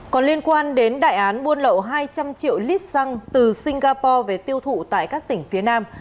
còn liên quan đến đại án buôn lậu hai trăm linh triệu lít xăng từ singapore về tiêu thụ tại các tỉnh phía nam